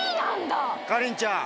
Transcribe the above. かりんちゃん。